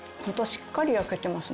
しっかり焼けてます。